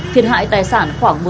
thiệt hại tài sản khoảng